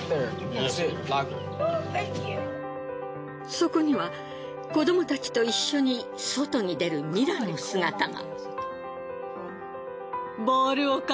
そこには子どもたちと一緒に外に出るミラの姿が。